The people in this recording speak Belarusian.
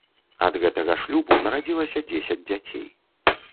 Ад гэтага шлюбу нарадзілася дзесяць дзяцей.